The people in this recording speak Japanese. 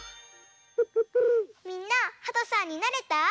みんなはとさんになれた？